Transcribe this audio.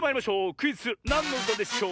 クイズ「なんのうたでしょう」